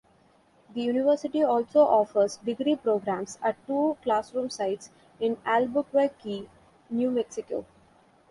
The University also offers degree programs at two classroom sites in Albuquerque, New Mexico.